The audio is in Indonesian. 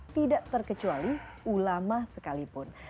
tidak terkecuali ulama sekalipun